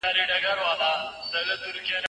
دا شورا به د پوهنې د کيفيت لوړولو لپاره کار وکړي.